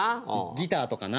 ギターとかな。